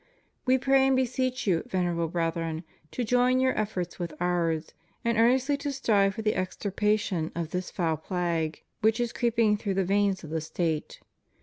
We pray and beseech you. Venerable Brethren, to join your efforts with Ours, and earnestly to strive for the extirpation of this foul plague, which is creeping through the veins of the State.